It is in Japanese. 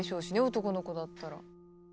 男の子だったら。